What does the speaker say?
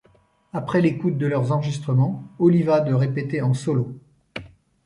Après l'écoute de leurs enregistrements, Oliva de répéter en solo.